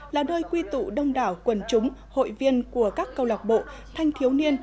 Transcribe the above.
là nơi quy tụ đông đảo quần chúng hội viên của các câu lạc bộ thanh thiếu niên